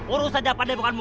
urus saja padepokanmu